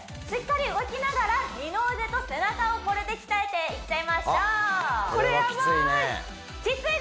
しっかり動きながら二の腕と背中をこれで鍛えていっちゃいましょうあっ